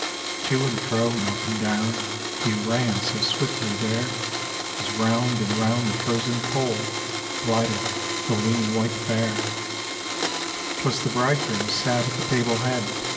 To and fro, and up and down, He ran so swiftly there, As round and round the frozen Pole GUdcth the lean white bear, Twas the Bridegroom sat at the table head.